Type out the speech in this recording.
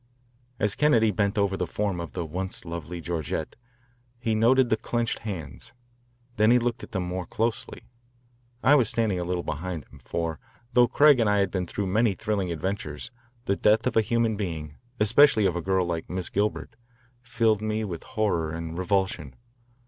As Kennedy bent over the form of the once lovely Georgette, he noted the clenched hands. Then he looked at them more closely. I was standing a little behind him, for though Craig and I had been through many thrilling adventures, the death of a human being, especially of a girl like Miss Gilbert, filled me with horror and revulsion.